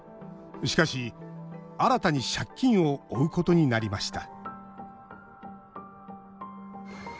しかし、新たに借金を負うことになりました